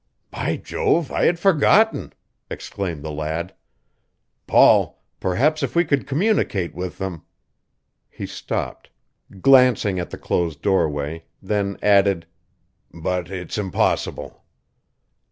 "By Jove, I had forgotten!" exclaimed the lad. "Paul, perhaps if we could communicate with them " He stopped, glancing at the closed doorway; then added: "But it's impossible."